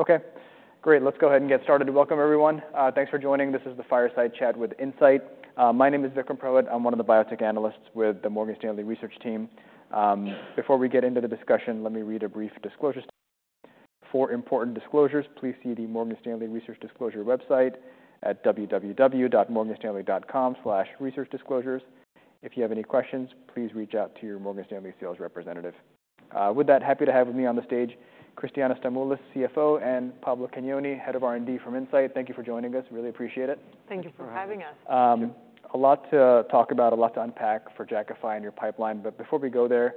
Okay, great! Let's go ahead and get started. Welcome, everyone. Thanks for joining. This is the Fireside Chat with Incyte. My name is Vikram Purohit. I'm one of the biotech analysts with the Morgan Stanley research team. Before we get into the discussion, let me read a brief disclosure. For important disclosures, please see the Morgan Stanley Research Disclosure website at www.morganstanley.com/researchdisclosures. If you have any questions, please reach out to your Morgan Stanley sales representative. With that, happy to have with me on the stage, Christiana Stamoulis, CFO, and Pablo Cagnoni, Head of R&D from Incyte. Thank you for joining us. Really appreciate it. Thank you for having us. A lot to talk about, a lot to unpack for Jakafi and your pipeline, but before we go there,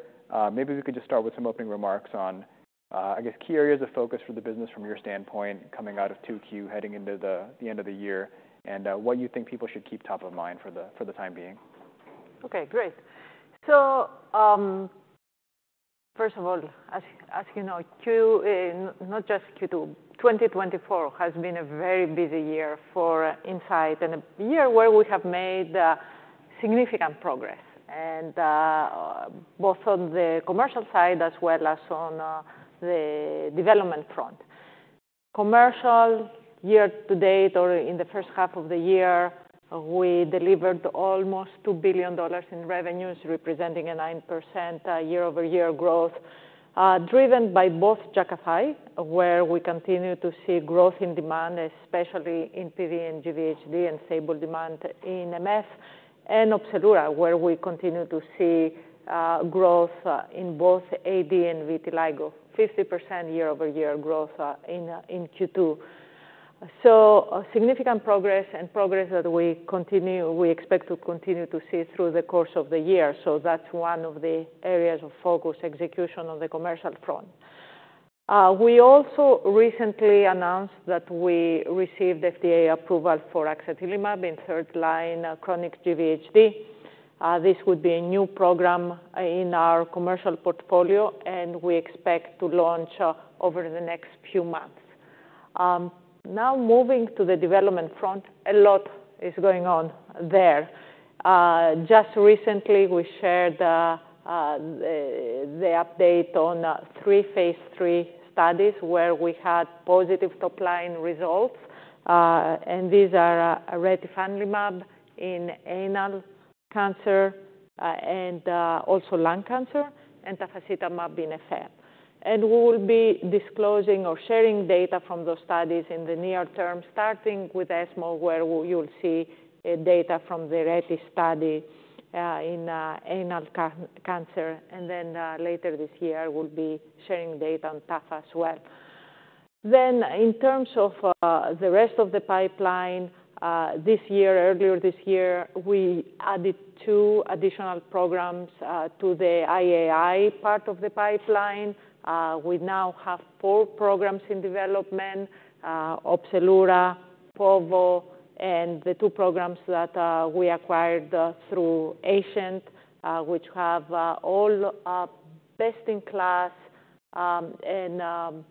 maybe we could just start with some opening remarks on, I guess, key areas of focus for the business from your standpoint, coming out of 2Q, heading into the end of the year, and what you think people should keep top of mind for the time being. Okay, great, so first of all, as you know, 2024, not just Q2, 2024 has been a very busy year for Incyte, and a year where we have made significant progress, and both on the commercial side as well as on the development front. Commercial year-to-date or in the H1 of the year, we delivered almost $2 billion in revenues, representing a 9% year-over-year growth, driven by both Jakafi, where we continue to see growth in demand, especially in PV and GVHD, and Opzelura, where we continue to see growth in both AD and vitiligo. 50% year-over-year growth in Q2, so a significant progress and progress that we continue-- we expect to continue to see through the course of the year. So that's one of the areas of focus, execution on the commercial front. We also recently announced that we received FDA approval for axatilimab in third line, chronic GVHD. This would be a new program in our commercial portfolio, and we expect to launch over the next few months. Now moving to the development front, a lot is going on there. Just recently, we shared the update on three Phase III studies, where we had positive top-line results, and these are retifanlimab in anal cancer, and also lung cancer, and tafasitamab in FL. And we will be disclosing or sharing data from those studies in the near term, starting with ESMO, where you'll see data from the Reti study in anal cancer, and then later this year, we'll be sharing data on tafasitamab as well. In terms of the rest of the pipeline, this year, earlier this year, we added two additional programs to the IAI part of the pipeline. We now have four programs in development, Opzelura, povorcitinib, and the two programs that we acquired through Escient, which have all best-in-class and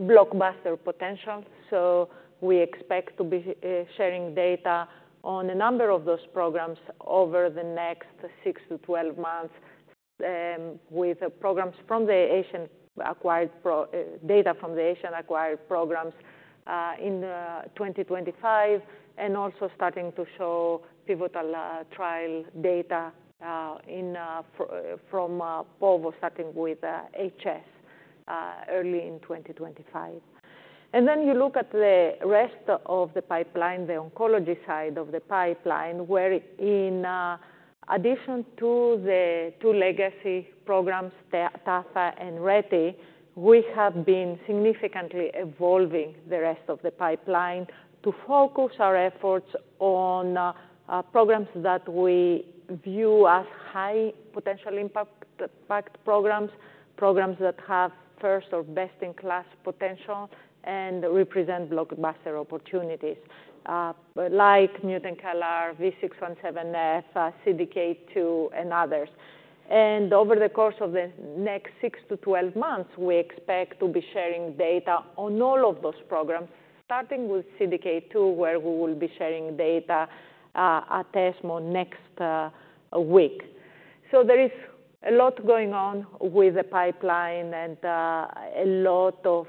blockbuster potential. We expect to be sharing data on a number of those programs over the next six to 12 months, with data from the Escient acquired programs in 2025, and also starting to show pivotal trial data from povorcitinib, starting with HS, early in 2025. And then you look at the rest of the pipeline, the oncology side of the pipeline, where in addition to the two legacy programs, tafa and reti, we have been significantly evolving the rest of the pipeline to focus our efforts on programs that we view as high potential impact programs, programs that have first or best-in-class potential and represent blockbuster opportunities, like mutant CALR, JAK2 V617F, CDK2, and others. And over the course of the next six to 12 months, we expect to be sharing data on all of those programs, starting with CDK2, where we will be sharing data at ESMO next week. So there is a lot going on with the pipeline and a lot of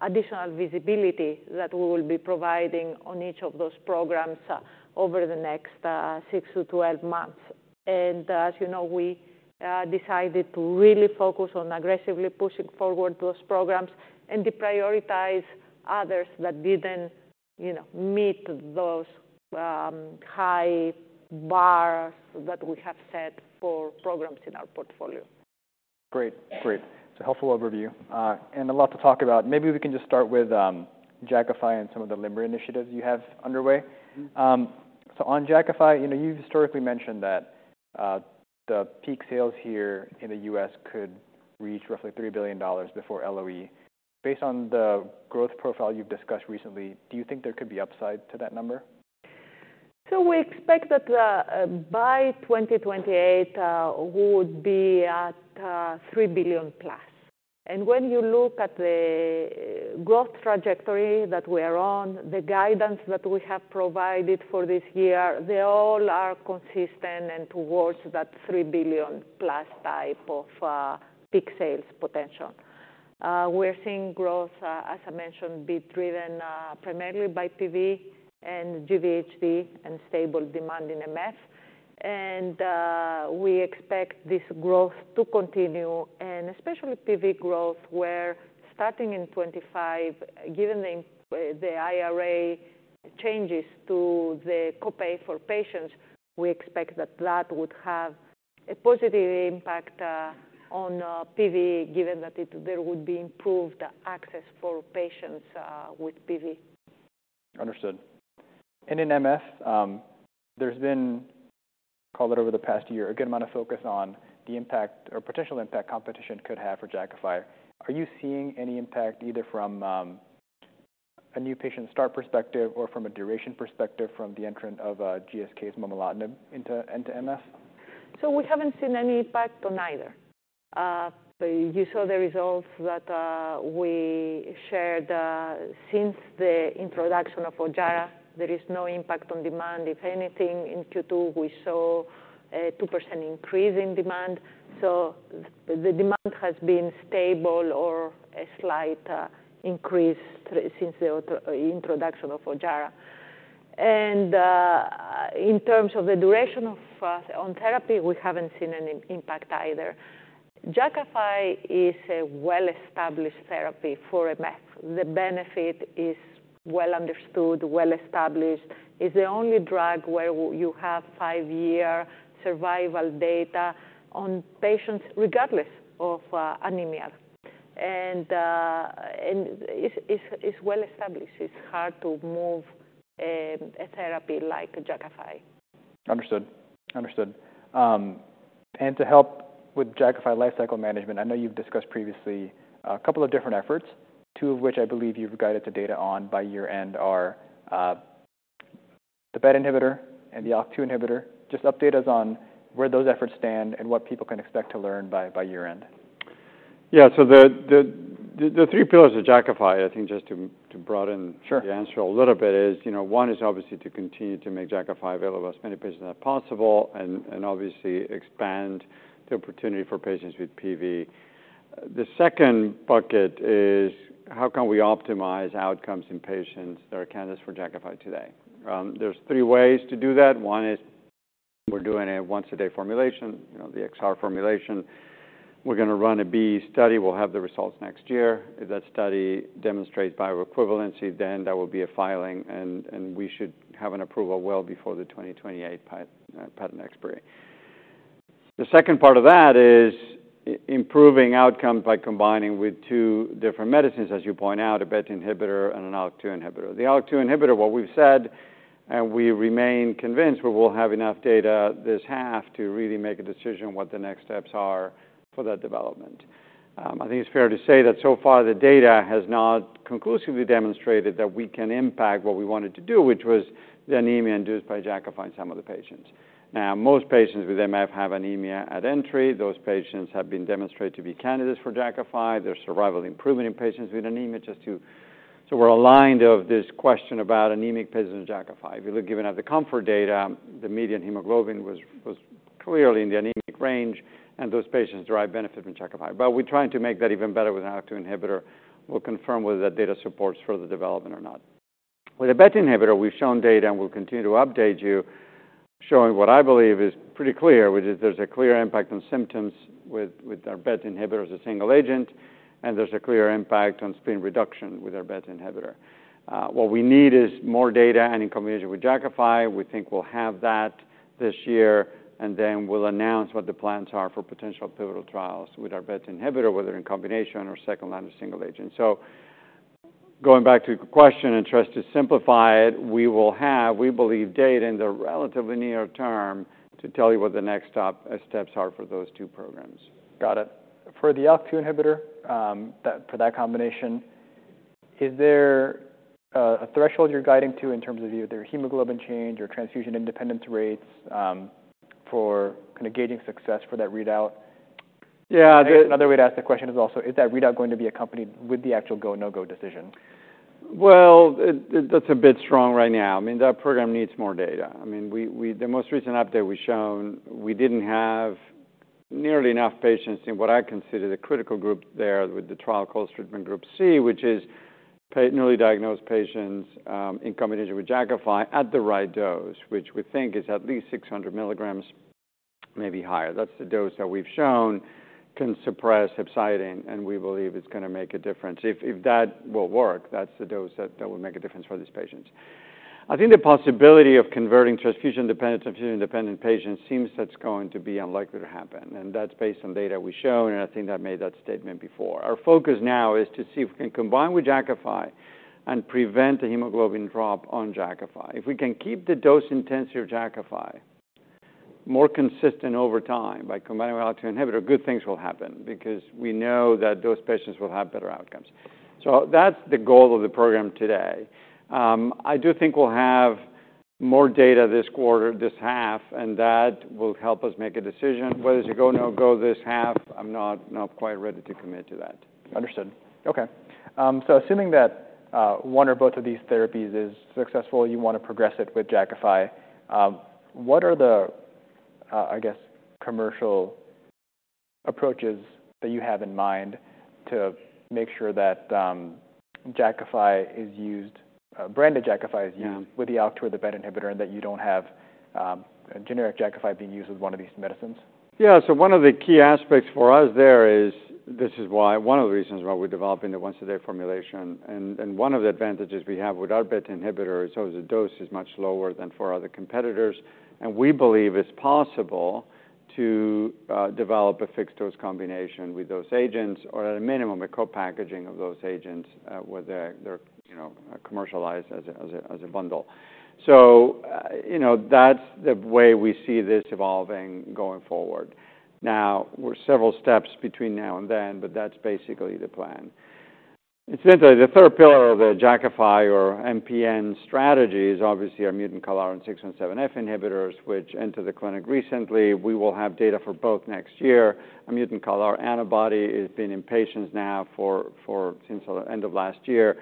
additional visibility that we will be providing on each of those programs over the next six to 12 months. And as you know, we decided to really focus on aggressively pushing forward those programs and deprioritize others that didn't, you know, meet those high bars that we have set for programs in our portfolio. Great. Great. It's a helpful overview, and a lot to talk about. Maybe we can just start with Jakafi and some of the label initiatives you have underway. So on Jakafi, you know, you've historically mentioned that the peak sales here in the U.S. could reach roughly $3 billion before LOE. Based on the growth profile you've discussed recently, do you think there could be upside to that number? So we expect that by 2028 we would be at $3 billion+. And when you look at the growth trajectory that we are on, the guidance that we have provided for this year, they all are consistent and towards that $3 billion+ type of peak sales potential. We're seeing growth, as I mentioned, be driven primarily by PV and GVHD, and stable demand in MF. And we expect this growth to continue, and especially PV growth, where starting in 2025, given the IRA changes to the copay for patients, we expect that that would have a positive impact on PV, given that it there would be improved access for patients with PV. Understood. And in MF, there's been, call it over the past year, a good amount of focus on the impact or potential impact competition could have for Jakafi. Are you seeing any impact, either from a new patient start perspective or from a duration perspective from the entrant of GSK's momelotinib into MF? We haven't seen any impact on either. You saw the results that we shared since the introduction of Ojjaara; there is no impact on demand. If anything, in Q2, we saw a 2% increase in demand. The demand has been stable or a slight increase since the introduction of Ojjaara. In terms of the duration of on therapy, we haven't seen any impact either. Jakafi is a well-established therapy for MF. The benefit is well understood, well established. It's the only drug where you have five-year survival data on patients regardless of anemia. It's well established. It's hard to move a therapy like Jakafi. Understood. And to help with Jakafi lifecycle management, I know you've discussed previously a couple of different efforts, two of which I believe you've guided the data on by year-end are the BET inhibitor and the ALK2 inhibitor. Just update us on where those efforts stand and what people can expect to learn by year-end. Yeah, so the three pillars of Jakafi, I think, just to broaden- Sure The answer a little bit is, you know, one is obviously to continue to make Jakafi available to as many patients as possible and, and obviously expand the opportunity for patients with PV. The second bucket is, how can we optimize outcomes in patients that are candidates for Jakafi today? There's three ways to do that. One is we're doing a once-a-day formulation, you know, the XR formulation. We're gonna run a BE study. We'll have the results next year. If that study demonstrates bioequivalence, then there will be a filing, and, and we should have an approval well before the 2028 patent expiry. The second part of that is improving outcomes by combining with two different medicines, as you point out, a BET inhibitor and an ALK2 inhibitor. The ALK2 inhibitor, what we've said, and we remain convinced, we will have enough data this half to really make a decision what the next steps are for that development. I think it's fair to say that so far the data has not conclusively demonstrated that we can impact what we wanted to do, which was the anemia induced by Jakafi in some of the patients. Now, most patients with MF have anemia at entry. Those patients have been demonstrated to be candidates for Jakafi. Their survival improvement in patients with anemia. So we're aligned on this question about anemic patients on Jakafi. If you look, given the COMFORT data, the median hemoglobin was clearly in the anemic range, and those patients derive benefit from Jakafi. But we're trying to make that even better with an ALK2 inhibitor. We'll confirm whether that data supports further development or not. With a BET inhibitor, we've shown data, and we'll continue to update you, showing what I believe is pretty clear, which is there's a clear impact on symptoms with our BET inhibitor as a single agent, and there's a clear impact on spleen reduction with our BET inhibitor. What we need is more data in combination with Jakafi. We think we'll have that this year, and then we'll announce what the plans are for potential pivotal trials with our BET inhibitor, whether in combination or second-line or single agent. Going back to your question, and just to simplify it, we will have, we believe, data in the relatively near term to tell you what the next steps are for those two programs. Got it. For the ALK2 inhibitor, for that combination, is there a threshold you're guiding to in terms of either hemoglobin change or transfusion independence rates, for kind of gauging success for that readout? Yeah. Another way to ask the question is also, is that readout going to be accompanied with the actual go, no-go decision? That's a bit strong right now. I mean, that program needs more data. I mean, the most recent update we've shown, we didn't have nearly enough patients in what I consider the critical group there with the trial called treatment Group C, which is newly diagnosed patients, in combination with Jakafi at the right dose, which we think is at least 600 mg, maybe higher. That's the dose that we've shown can suppress hepcidin, and we believe it's gonna make a difference. If that will work, that's the dose that will make a difference for these patients. I think the possibility of converting transfusion-dependent patients seems that's going to be unlikely to happen, and that's based on data we've shown, and I think I've made that statement before. Our focus now is to see if we can combine with Jakafi and prevent the hemoglobin drop on Jakafi. If we can keep the dose intensity of Jakafi more consistent over time by combining with ALK2 inhibitor, good things will happen because we know that those patients will have better outcomes, so that's the goal of the program today. I do think we'll have more data this quarter, this half, and that will help us make a decision. Whether it's a go, no-go this half, I'm not quite ready to commit to that. Understood. Okay. So assuming that, one or both of these therapies is successful, you want to progress it with Jakafi. What are the commercial approaches that you have in mind to make sure that, Jakafi is used, branded Jakafi is used-- Yeah. -with the ALK2 and the BET inhibitor, and that you don't have a generic Jakafi being used as one of these medicines? Yeah. So one of the key aspects for us there is, this is why, one of the reasons why we're developing a once-a-day formulation. And one of the advantages we have with our BET inhibitor is so the dose is much lower than for other competitors, and we believe it's possible to develop a fixed dose combination with those agents, or at a minimum, a co-packaging of those agents, where they're, you know, commercialized as a bundle. So, you know, that's the way we see this evolving going forward. Now, we're several steps between now and then, but that's basically the plan. Essentially, the third pillar of the Jakafi or MPN strategy is obviously our mutant CALR and V617F inhibitors, which entered the clinic recently. We will have data for both next year. A mutant CALR antibody has been in patients now since the end of last year.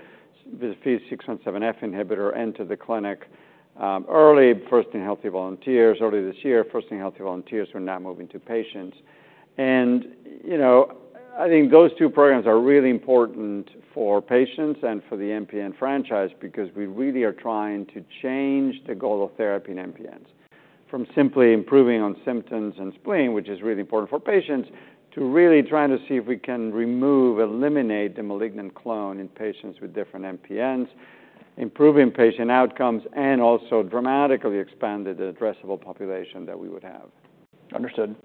The V617F inhibitor entered the clinic early, first in healthy volunteers, early this year. First in healthy volunteers, we're now moving to patients. You know, I think those two programs are really important for patients and for the MPN franchise because we really are trying to change the goal of therapy in MPNs, from simply improving on symptoms and spleen, which is really important for patients, to really trying to see if we can remove, eliminate the malignant clone in patients with different MPNs, improving patient outcomes, and also dramatically expand the addressable population that we would have. Understood.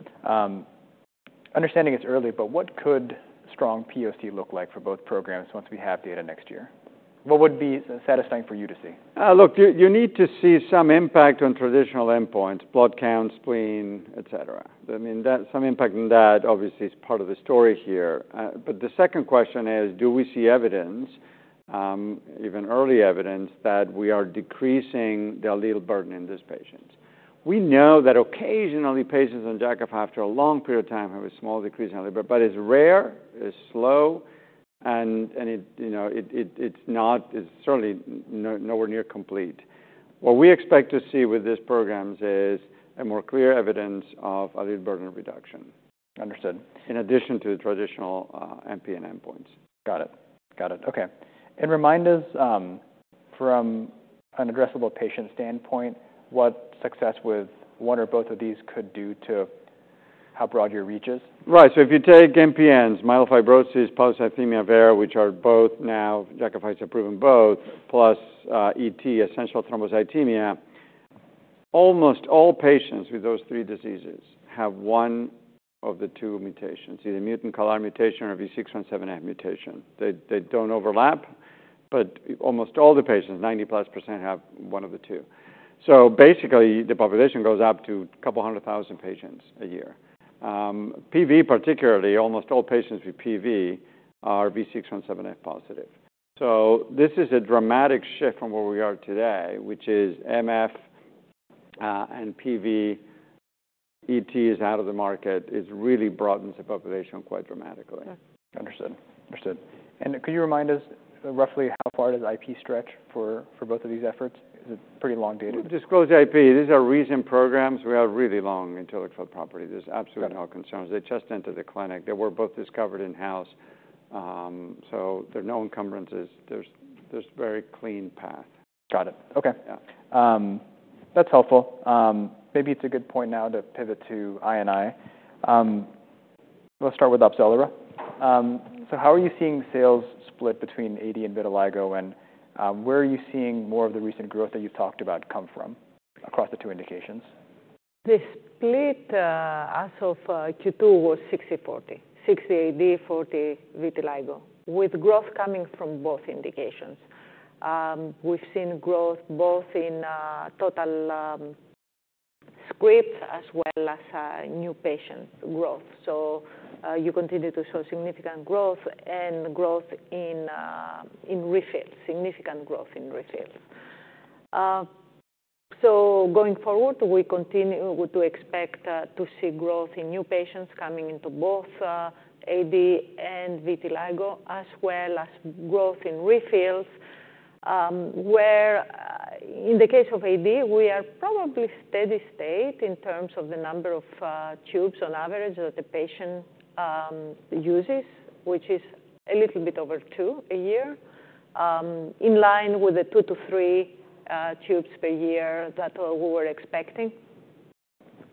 Understanding it's early, but what could strong POC look like for both programs once we have data next year? What would be satisfying for you to see? Look, you need to see some impact on traditional endpoints, blood count, spleen, etc. I mean, that some impact on that, obviously, is part of the story here. But the second question is, do we see evidence, even early evidence, that we are decreasing the allele burden in these patients? We know that occasionally, patients on Jakafi, after a long period of time, have a small decrease in allele, but it's rare, it's slow, and you know, it's not, it's certainly nowhere near complete. What we expect to see with these programs is a more clear evidence of allele burden reduction. Understood. In addition to the traditional, MPN endpoints. Got it. Got it. Okay. And remind us, from an addressable patient standpoint, what success with one or both of these could do to how broad your reach is? Right. So if you take MPNs, myelofibrosis, polycythemia vera, which are both now, Jakafi has proven both, plus, ET, essential thrombocythemia, almost all patients with those three diseases have one of the two mutations, either mutant CALR mutation or V617F mutation. They, they don't overlap, but almost all the patients, 90+%, have one of the two. So basically, the population goes up to a couple hundred thousand patients a year. PV, particularly, almost all patients with PV are V617F positive. So this is a dramatic shift from where we are today, which is MF, and PV, ET is out of the market. It really broadens the population quite dramatically. Understood. Understood. And could you remind us roughly how far does IP stretch for both of these efforts? Is it pretty long dated? Disclose IP. These are recent programs. We are really long on intellectual property. There's absolutely no concerns. Got it. They just entered the clinic. They were both discovered in-house, so there are no encumbrances. There's very clean path. Got it. Okay. Yeah. That's helpful. Maybe it's a good point now to pivot to INI. Let's start with Opzelura. So how are you seeing sales split between AD and vitiligo, and where are you seeing more of the recent growth that you've talked about come from across the two indications? The split, as of Q2, was 60/40, 60 AD, 40 vitiligo, with growth coming from both indications. We've seen growth both in total scripts as well as new patient growth. So, you continue to show significant growth and growth in refills, significant growth in refills. So going forward, we continue to expect to see growth in new patients coming into both AD and vitiligo, as well as growth in refills. Where, in the case of AD, we are probably steady state in terms of the number of tubes on average that the patient uses, which is a little bit over two a year, in line with the two to three tubes per year that we were expecting.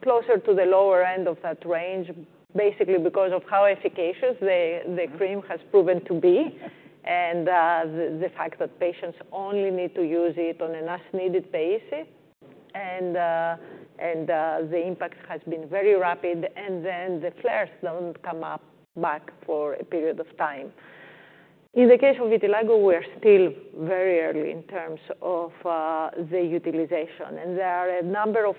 Closer to the lower end of that range, basically because of how efficacious the cream has proven to be, and the fact that patients only need to use it on an as-needed basis. The impact has been very rapid, and then the flares don't come up back for a period of time. In the case of vitiligo, we're still very early in terms of the utilization, and there are a number of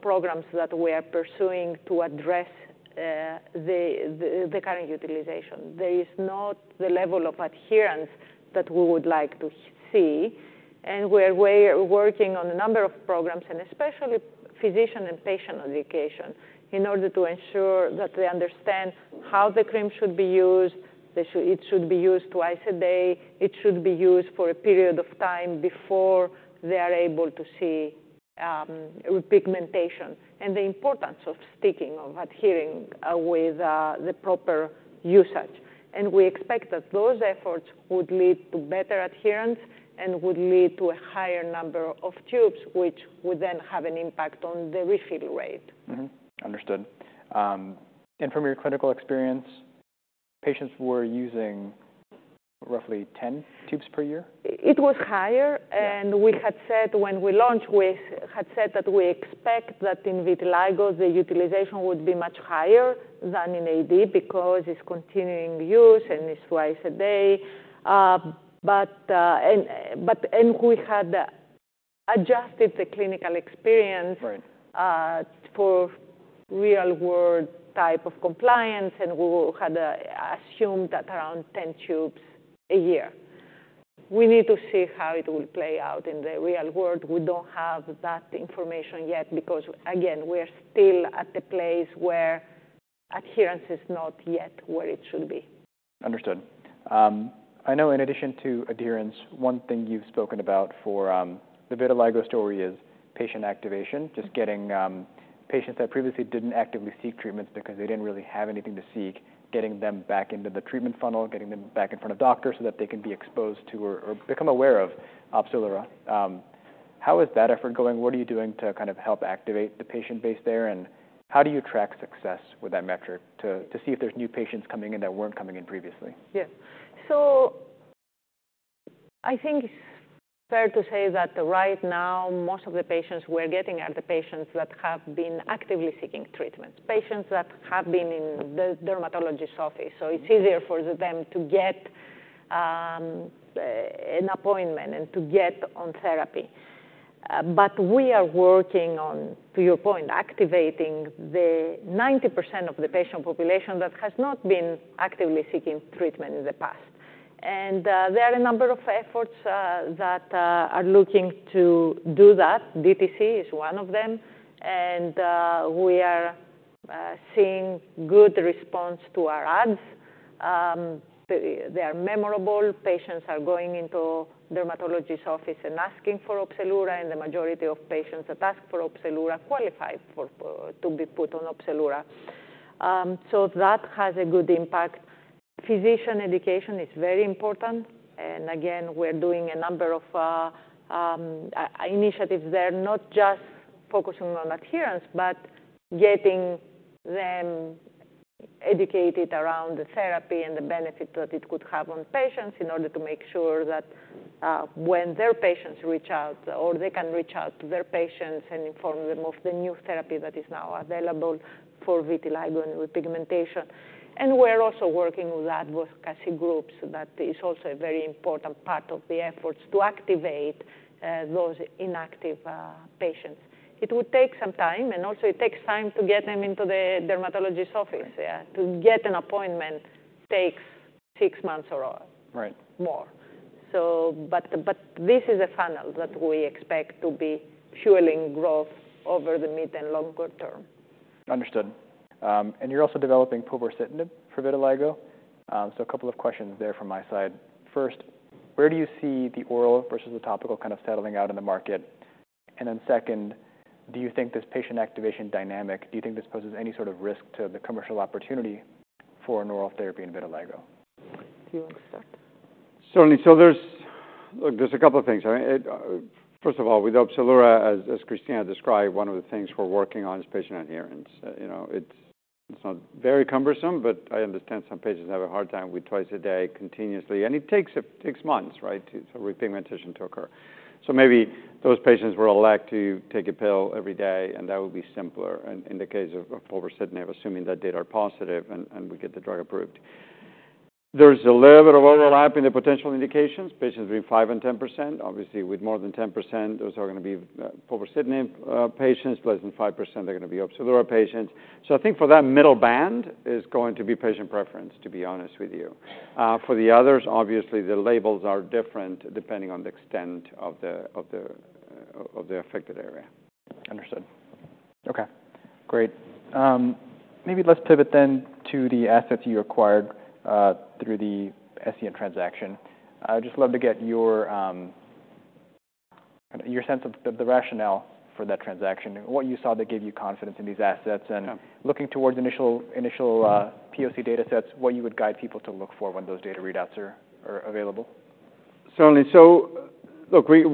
programs that we are pursuing to address the current utilization. There is not the level of adherence that we would like to see, and we're working on a number of programs, and especially physician and patient education, in order to ensure that they understand how the cream should be used. It should be used twice a day. It should be used for a period of time before they are able to see repigmentation, and the importance of sticking, of adhering, with the proper usage, and we expect that those efforts would lead to better adherence and would lead to a higher number of tubes, which would then have an impact on the refill rate. Understood. And from your clinical experience, patients were using roughly ten tubes per year? It was higher. Yeah. And we had said when we launched, we had said that we expect that in vitiligo, the utilization would be much higher than in AD because it's continuing use and it's twice a day, and we had adjusted the clinical experience- Right... for real-world type of compliance, and we had assumed that around ten tubes a year. We need to see how it will play out in the real world. We don't have that information yet because, again, we're still at the place where adherence is not yet where it should be. Understood. I know in addition to adherence, one thing you've spoken about for the vitiligo story is patient activation. Just getting patients that previously didn't actively seek treatments because they didn't really have anything to seek, getting them back into the treatment funnel, getting them back in front of doctors, so that they can be exposed to or become aware of Opzelura. How is that effort going? What are you doing to kind of help activate the patient base there, and how do you track success with that metric to see if there's new patients coming in that weren't coming in previously? Yes. So I think it's fair to say that right now, most of the patients we're getting are the patients that have been actively seeking treatment, patients that have been in the dermatologist's office. So it's easier for them to get an appointment and to get on therapy. But we are working on, to your point, activating the 90% of the patient population that has not been actively seeking treatment in the past. And there are a number of efforts that are looking to do that. DTC is one of them, and we are seeing good response to our ads. They are memorable. Patients are going into dermatologist's office and asking for Opzelura, and the majority of patients that ask for Opzelura qualify for to be put on Opzelura. So that has a good impact. Physician education is very important, and again, we're doing a number of initiatives there, not just focusing on adherence, but getting them educated around the therapy and the benefit that it could have on patients in order to make sure that, when their patients reach out or they can reach out to their patients and inform them of the new therapy that is now available for vitiligo and repigmentation. And we're also working with advocacy groups. That is also a very important part of the efforts to activate those inactive patients. It would take some time, and also it takes time to get them into the dermatologist's office. Right. Yeah, to get an appointment takes six months or more. Right. This is a funnel that we expect to be fueling growth over the mid and longer term. Understood. And you're also developing povorcitinib for vitiligo. So a couple of questions there from my side. First, where do you see the oral versus the topical kind of settling out in the market? And then second, do you think this patient activation dynamic, do you think this poses any sort of risk to the commercial opportunity for an oral therapy in vitiligo? Do you want to start? Certainly. So there's, look, there's a couple of things. I-- First of all, with Opzelura, as Christiana described, one of the things we're working on is patient adherence. You know, it's not very cumbersome, but I understand some patients have a hard time with twice a day continuously, and it takes months, right, for repigmentation to occur. So maybe those patients will elect to take a pill every day, and that would be simpler. And in the case of povorcitinib, assuming that data are positive and we get the drug approved, there's a little bit of overlap in the potential indications, patients between 5% and 10%. Obviously, with more than 10%, those are gonna be povorcitinib patients, less than 5%, they're gonna be Opzelura patients. I think for that middle band is going to be patient preference, to be honest with you. For the others, obviously, the labels are different depending on the extent of the affected area. Understood. Okay, great. Maybe let's pivot then to the assets you acquired through the Escient transaction. I'd just love to get your sense of the rationale for that transaction, what you saw that gave you confidence in these assets- Yeah... and looking towards initial POC datasets, what you would guide people to look for when those data readouts are available? Certainly. So look, we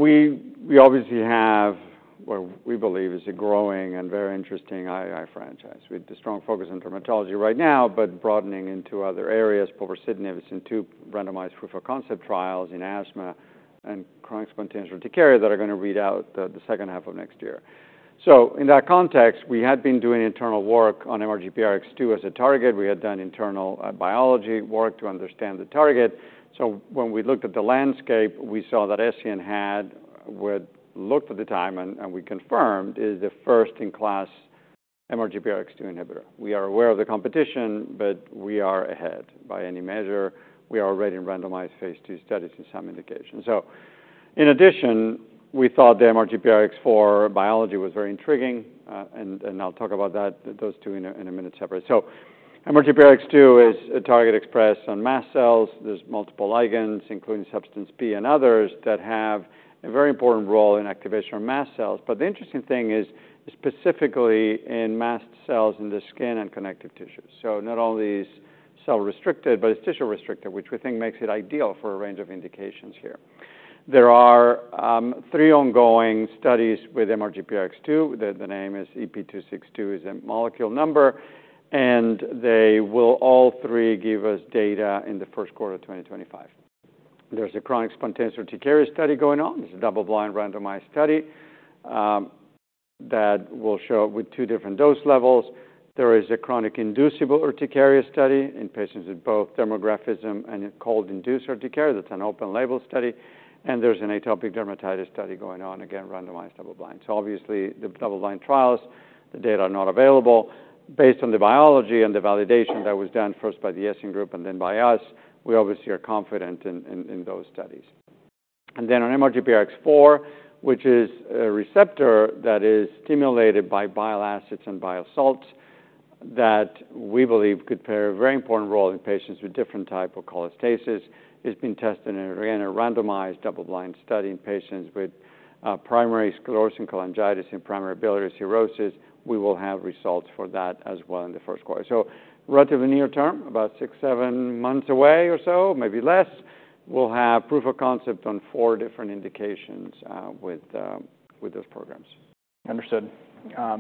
obviously have what we believe is a growing and very interesting IAI franchise with the strong focus on dermatology right now, but broadening into other areas. Povorcitinib is in two randomized proof of concept trials in asthma and chronic spontaneous urticaria that are gonna read out, the H2 of next year. So in that context, we had been doing internal work on MRGPRX2 as a target. We had done internal biology work to understand the target. So when we looked at the landscape, we saw that Escient had, what looked at the time and we confirmed, is the first-in-class MRGPRX2 inhibitor. We are aware of the competition, but we are ahead. By any measure, we are already in randomized Phase II studies in some indications. In addition, we thought the MRGPRX4 biology was very intriguing, and I'll talk about that, those two in a minute, separately. MRGPRX2 is a target expressed on mast cells. There's multiple ligands, including substance P and others, that have a very important role in activation of mast cells. But the interesting thing is, specifically in mast cells, in the skin and connective tissues. So not only is cell-restricted, but it's tissue-restricted, which we think makes it ideal for a range of indications here. There are three ongoing studies with MRGPRX2. The name is EP262, is a molecule number, and they will all three give us data in the first quarter of 2025. There's a chronic spontaneous urticaria study going on. It's a double-blind randomized study, that will show up with two different dose levels. There is a chronic inducible urticaria study in patients with both dermographism and cold-induced urticaria. That's an open-label study. And there's an atopic dermatitis study going on, again, randomized, double-blind. So obviously, the double-blind trials, the data are not available. Based on the biology and the validation that was done first by the Escient Group and then by us, we obviously are confident in those studies. And then on MRGPRX4, which is a receptor that is stimulated by bile acids and bile salts, that we believe could play a very important role in patients with different type of cholestasis. It's been tested in, again, a randomized, double-blind study in patients with primary sclerosing cholangitis and primary biliary cholangitis. We will have results for that as well in the first quarter. So relatively near term, about six, seven months away or so, maybe less, we'll have proof of concept on four different indications with those programs. Understood.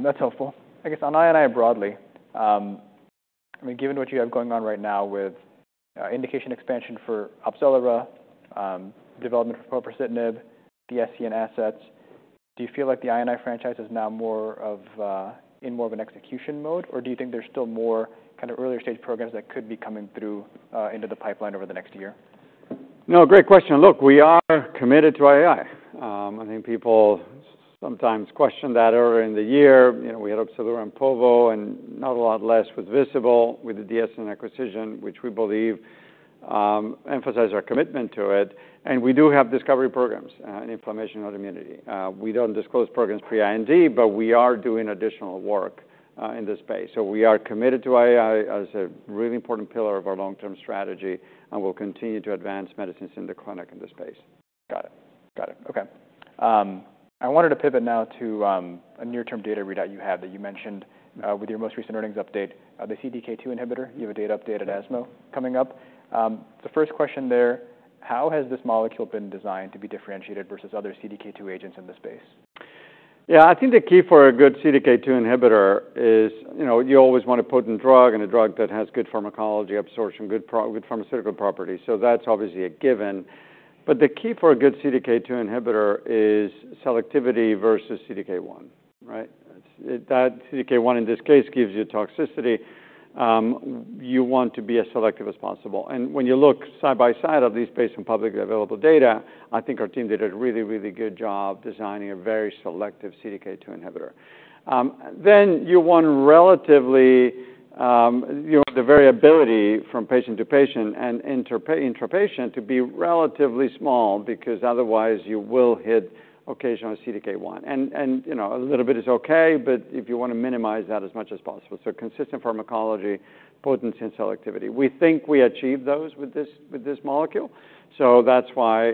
That's helpful. I guess on IAI broadly, I mean, given what you have going on right now with, indication expansion for Opzelura, development for povorcitinib, the skin assets, do you feel like the IAI franchise is now more of, in more of an execution mode? Or do you think there's still more kind of earlier-stage programs that could be coming through, into the pipeline over the next year? No, great question. Look, we are committed to IAI. I think people sometimes question that earlier in the year, you know, we had Opzelura and povo, and a lot more with the Escient acquisition, which we believe emphasizes our commitment to it, and we do have discovery programs in inflammation and autoimmunity. We don't disclose programs pre-IND, but we are doing additional work in this space. So we are committed to IAI as a really important pillar of our long-term strategy, and we'll continue to advance medicines in the clinic in this space. Got it. Got it. Okay. I wanted to pivot now to a near-term data readout you had that you mentioned with your most recent earnings update, the CDK2 inhibitor. You have a data update at ESMO coming up. The first question there, how has this molecule been designed to be differentiated versus other CDK2 agents in the space? Yeah, I think the key for a good CDK2 inhibitor is, you know, you always want a potent drug and a drug that has good pharmacology, absorption, good pharmaceutical properties. So that's obviously a given. But the key for a good CDK2 inhibitor is selectivity versus CDK1, right? That CDK1, in this case, gives you toxicity. You want to be as selective as possible. And when you look side by side, at least based on publicly available data, I think our team did a really, really good job designing a very selective CDK2 inhibitor. Then you want relatively, you know, the variability from patient to patient and intrapatient to be relatively small, because otherwise you will hit occasional CDK1. And, you know, a little bit is okay, but if you want to minimize that as much as possible. So consistent pharmacology, potency, and selectivity. We think we achieved those with this, with this molecule, so that's why,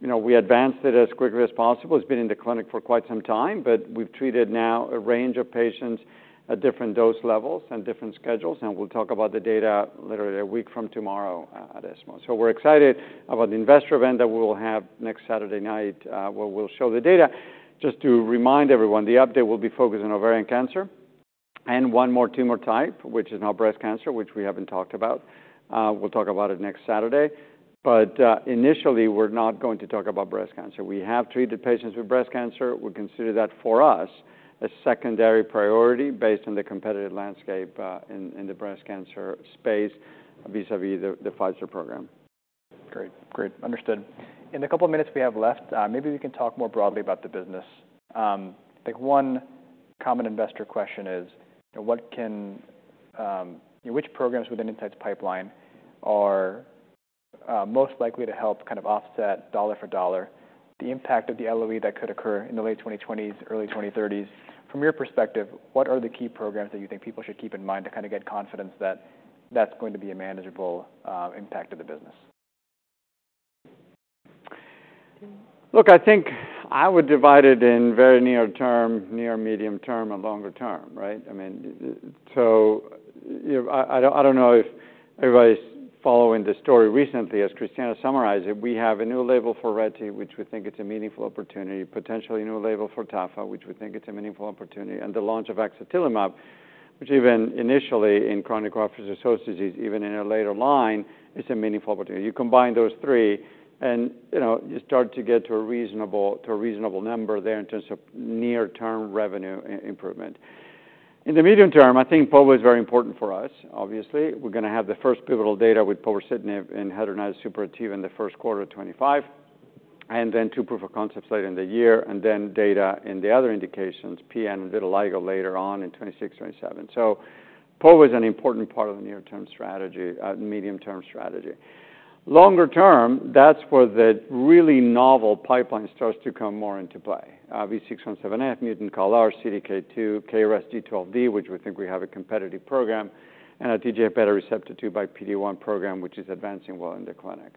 you know, we advanced it as quickly as possible. It's been in the clinic for quite some time, but we've treated now a range of patients at different dose levels and different schedules, and we'll talk about the data literally a week from tomorrow at ESMO. So we're excited about the investor event that we will have next Saturday night, where we'll show the data. Just to remind everyone, the update will be focused on ovarian cancer and one more tumor type, which is now breast cancer, which we haven't talked about. We'll talk about it next Saturday. But initially, we're not going to talk about breast cancer. We have treated patients with breast cancer. We consider that, for us, a secondary priority based on the competitive landscape, in the breast cancer space vis-à-vis the Pfizer program. Great. Great, understood. In the couple of minutes we have left, maybe we can talk more broadly about the business. I think one common investor question is, what can... Which programs within Incyte's pipeline are most likely to help kind of offset dollar for dollar, the impact of the LOE that could occur in the late 2020s, early 2030s? From your perspective, what are the key programs that you think people should keep in mind to kind of get confidence that that's going to be a manageable impact to the business? Look, I think I would divide it in very near term, near medium term, and longer term, right? I mean, so I don't know if everybody's following this story recently, as Christiana summarized it, we have a new label for Retifanlimab, which we think it's a meaningful opportunity, potentially a new label for tafasitamab, which we think it's a meaningful opportunity, and the launch of axatilimab, which even initially in chronic GVHD, even in a later line, is a meaningful opportunity. You combine those three and, you know, you start to get to a reasonable number there in terms of near-term revenue improvement. In the medium term, I think povorcitinib is very important for us. Obviously, we're gonna have the first pivotal data with povorcitinib in hidradenitis suppurativa in the first quarter of 2025, and then two proof of concepts later in the year, and then data in the other indications, PN and vitiligo, later on in 2026/2027. So povo is an important part of the near-term strategy, medium-term strategy. Longer term, that's where the really novel pipeline starts to come more into play. V617F, mutant CALR, CDK2, KRAS G12V, which we think we have a competitive program, and a TGF-beta receptor 2 by PD-1 program, which is advancing well in the clinic.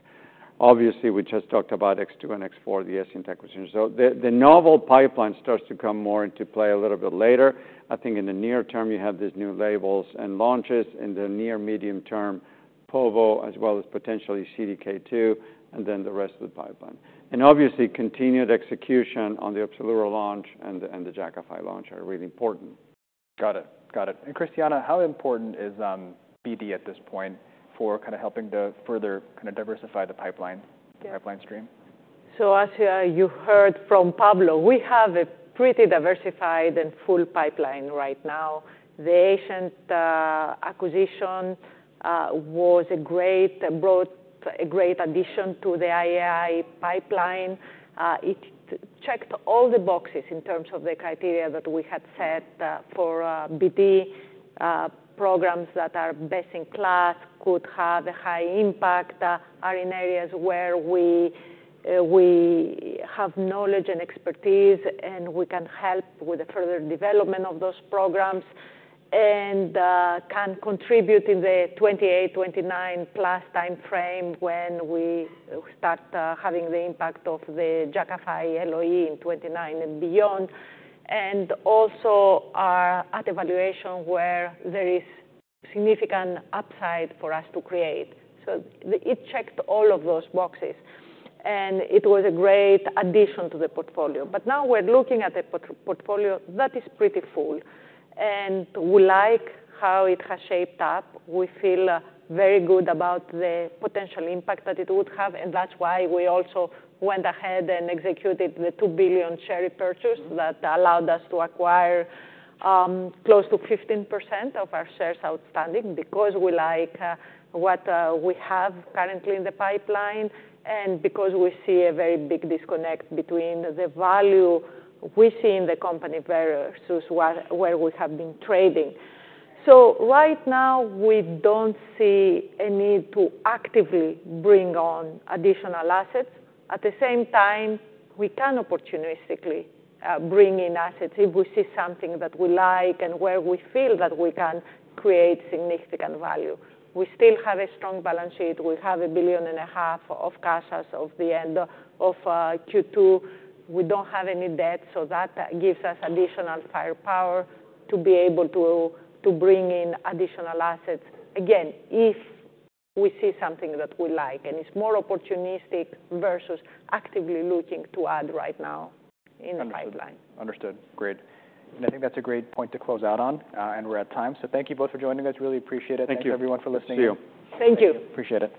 Obviously, we just talked about X2 and X4, the Escient acquisition. So the novel pipeline starts to come more into play a little bit later. I think in the near term, you have these new labels and launches, in the near medium term, povo, as well as potentially CDK2, and then the rest of the pipeline and obviously, continued execution on the Opzelura launch and the Jakafi launch are really important. Got it. Got it. And Christiana, how important is BD at this point for kind of helping to further kind of diversify the pipeline- Yeah -pipeline stream? As you heard from Pablo, we have a pretty diversified and full pipeline right now. The Escient acquisition was a great addition to the IAI pipeline. It checked all the boxes in terms of the criteria that we had set for BD programs that are best in class, could have a high impact, are in areas where we have knowledge and expertise, and we can help with the further development of those programs. And can contribute in the 2028, 2029 plus time frame, when we start having the impact of the Jakafi LOE in 2029 and beyond. And also are at evaluation where there is significant upside for us to create. So it checked all of those boxes, and it was a great addition to the portfolio. But now we're looking at a portfolio that is pretty full, and we like how it has shaped up. We feel very good about the potential impact that it would have, and that's why we also went ahead and executed the $2 billion share repurchase that allowed us to acquire close to 15% of our shares outstanding, because we like what we have currently in the pipeline, and because we see a very big disconnect between the value we see in the company versus where we have been trading. So right now, we don't see a need to actively bring on additional assets. At the same time, we can opportunistically bring in assets if we see something that we like and where we feel that we can create significant value. We still have a strong balance sheet. We have $1.5 billion of cash as of the end of Q2. We don't have any debt, so that gives us additional firepower to be able to, to bring in additional assets, again, if we see something that we like, and it's more opportunistic versus actively looking to add right now in the pipeline. Understood. Great. And I think that's a great point to close out on, and we're at time. So thank you both for joining us. Really appreciate it. Thank you. Thank you, everyone, for listening. Thank you. Thank you. Appreciate it.